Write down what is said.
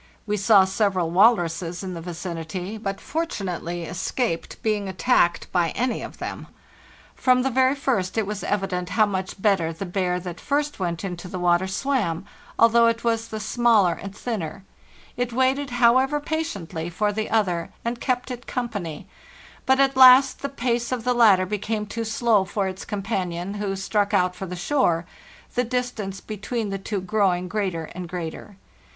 We saw several walruses in the vicinity, but fort unately escaped being attacked by any of them. From the very first it was evident how much better the bear that first went into the water swam, although it was the smallest and thinnest. It waited, however, patiently for the other, and kept it company; but at last the pace of the latter became too slow for its companion, who struck out for the shore, the distance between the two growing greater and greater.